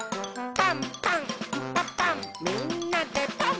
「パンパンんパパンみんなでパン！」